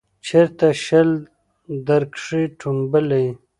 چیرته شل درکښې ټومبلی